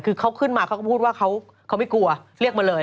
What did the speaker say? คือเขาขึ้นมาเขาก็พูดว่าเขาไม่กลัวเรียกมาเลย